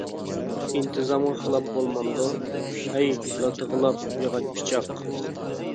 ئىنتىزامغا خىلاپ بولمامدۇ؟ -ھەي، لاتا غىلاپ، ياغاچ پىچاق!